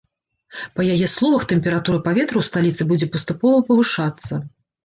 Па яе словах, тэмпература паветра ў сталіцы будзе паступова павышацца.